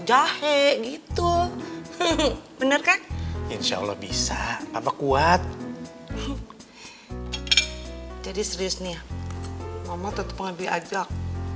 jahe gitu bener kan insya allah bisa apa kuat jadi serius nih mama tetap lebih ajak